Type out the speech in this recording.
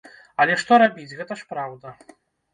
Але што рабіць, гэта ж праўда!